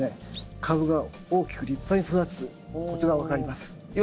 株が大きく立派に育つことが分かります。